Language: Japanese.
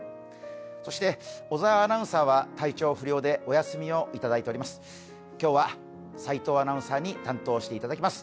そして小沢アナウンサーは体調不良でお休みをいただいております。